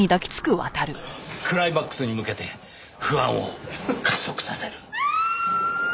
クライマックスに向けて不安を加速させる。